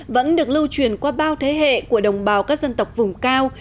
vẫn được lưu truyền qua bao thế hệ của đồng bào các dân tộc vùng cao